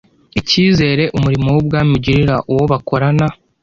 icyizere Umurimo w Ubwami ugirira uwo bakorana